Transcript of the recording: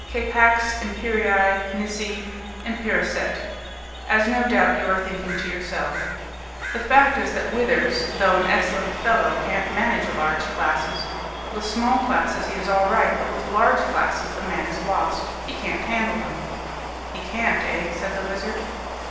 Capax imperii nisi imperasset, as no doubt you are thinking to yourself. The fact is that Withers, though an excellent fellow, can't manage large classes. With small classes he is all right, but with large classes the man is lost. He can't handle them." "He can't, eh?" said the Wizard.